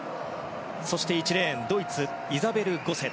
そして１レーンドイツ、イザベル・ゴセ。